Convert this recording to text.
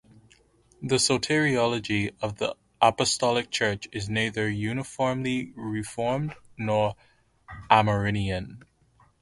The soteriology of the Apostolic Church is neither uniformly Reformed nor Arminian.